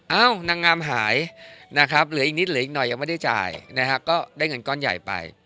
เอ้านางงามหายหลืออีกนิดหรืออีกหน่อยยังไม่ได้จ่ายนะครับก็ได้เงินก้อนใหญ่ไป